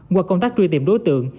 qua công tác truy tìm đối tượng